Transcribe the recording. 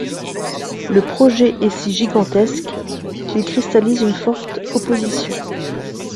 Le projet est si gigantesque qu'il cristallise une forte opposition.